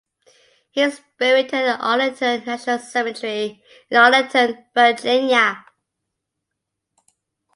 He is buried at the Arlington National Cemetery in Arlington, Virginia.